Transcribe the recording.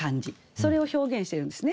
それを表現しているんですね。